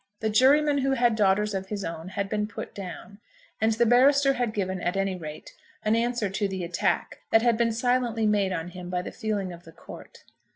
The juryman who had daughters of his own had been put down, and the barrister had given, at any rate, an answer to the attack that had been silently made on him by the feeling of the court.